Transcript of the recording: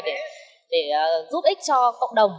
để giúp ích cho cộng đồng